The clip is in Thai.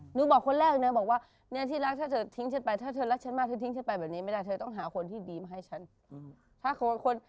หนูบอกคนแรกเลยนะบอกว่าเนี่ยที่รักถ้าเธอทิ้งฉันไปถ้าเธอรักฉันมากเธอทิ้งฉันไปแบบนี้ไม่ได้เธอต้องหาคนที่ดีมาให้ฉัน